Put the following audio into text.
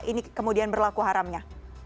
ini kemudian berlaku haramnya